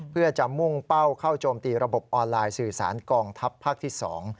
เพื่อจะมุ่งเป้าเข้าโจมตีระบบออนไลน์สื่อสารกองทัพภาคที่๒